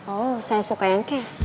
oh saya suka yang cash